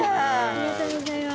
ありがとうございます。